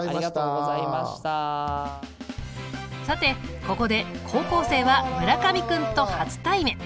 さてここで高校生は村上君と初対面。